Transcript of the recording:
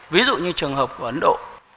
ví dụ như trường hợp của ấn độ